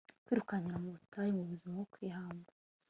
kwirukira mu butayu, muzima, kwihamba